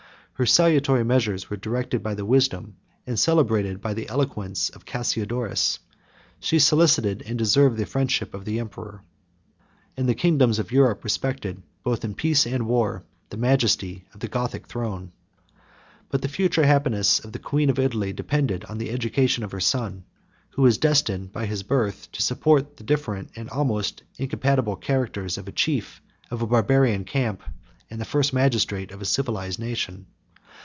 Her salutary measures were directed by the wisdom, and celebrated by the eloquence, of Cassiodorus; she solicited and deserved the friendship of the emperor; and the kingdoms of Europe respected, both in peace and war, the majesty of the Gothic throne. But the future happiness of the queen and of Italy depended on the education of her son; who was destined, by his birth, to support the different and almost incompatible characters of the chief of a Barbarian camp, and the first magistrate of a civilized nation.